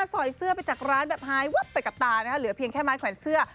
ใส่เสื้อไปจากร้านแบบหายวับไปกับตานะคะเหลือเพียงแค่ไม้แขวนเสื้อ